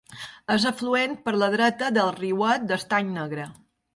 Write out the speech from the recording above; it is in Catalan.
És afluent per la dreta del Riuet d'Estany Negre.